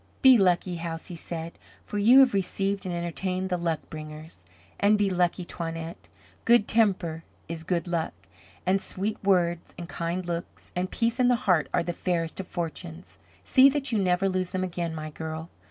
"Be lucky, house," he said, "for you have received and entertained the luck bringers. And be lucky, Toinette. Good temper is good luck, and sweet words and kind looks and peace in the heart are the fairest of fortunes. See that you never lose them again, my girl."